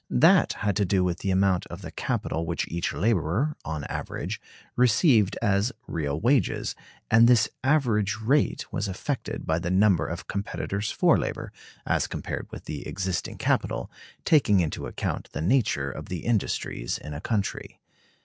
That had to do with the amount of the capital which each laborer, on an average, received as real wages, and this average rate was affected by the number of competitors for labor, as compared with the existing capital, taking into account the nature of the industries in a country.